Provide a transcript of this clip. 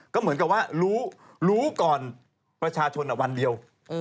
ก็เหมือนกับว่ารู้ก่อนประชาชนวันเดียว